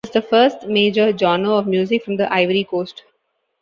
It was the first major genre of music from the Ivory Coast.